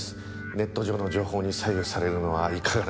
ネット上の情報に左右されるのはいかがなもの。